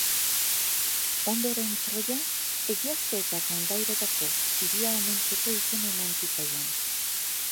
Ondoren Troia, egiazko eta kondairetako hiria omentzeko izena eman zitzaion.